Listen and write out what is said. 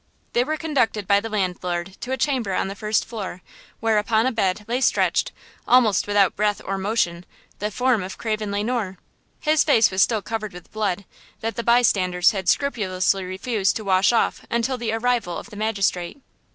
They were conducted by the landlord to a chamber on the first floor, where upon a bed lay stretched, almost without breath or motion, the form of Craven Le Noir. His face was still covered with blood, that the bystanders had scrupulously refused to wash off until the arrival of the magistrate.